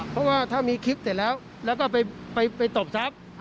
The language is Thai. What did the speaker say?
เพราะว่าถ้ามีคลิปเสร็จแล้วแล้วก็ไปตบทรัพย์